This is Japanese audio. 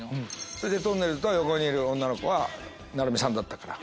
それでとんねるずの横にいる女の子が成美さんだったから。